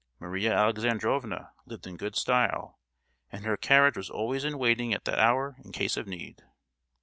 Maria Alexandrovna lived in good style, and her carriage was always in waiting at that hour in case of need.